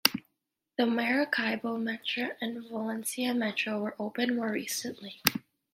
The Maracaibo Metro and Valencia Metro were opened more recently.